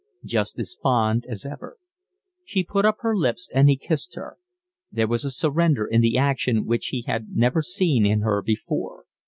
"Just as fond as ever." She put up her lips and he kissed her. There was a surrender in the action which he had never seen in her before.